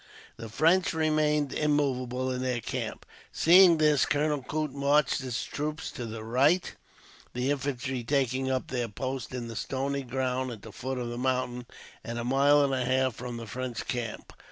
The French remained immovable in their camp. Seeing this, Colonel Coote marched his troops to the right, the infantry taking up their post in the stony ground at the foot of the mountain, at a mile and a half from the French camp.